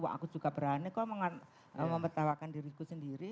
wah aku juga berani kok memertawakan diriku sendiri